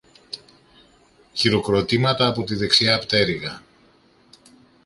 Χειροκροτήματα από τη δεξιά πτέρυγα